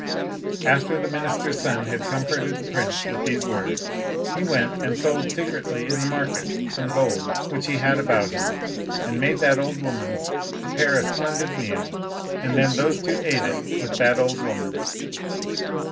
'" After the minister's son had comforted the prince with these words, he went and sold secretly in the market some gold, which he had about him, and made that old woman prepare a splendid meal, and then those two ate it with that old woman.